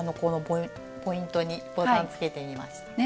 ポイントにボタンつけてみました。